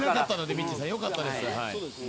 みっちーさん、よかったです。